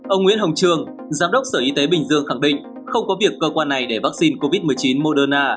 ông nguyễn hồng trường giám đốc sở y tế bình dương khẳng định không có việc cơ quan này để vaccine covid một mươi chín moderna